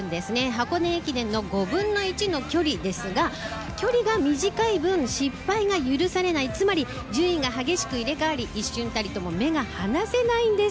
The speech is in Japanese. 箱根駅伝の５分の１の距離ですが、距離が短い分、失敗が許されない、つまり、順位が激しく入れ代わり、一瞬たりとも目が離せないんです。